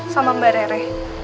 sama mbak rere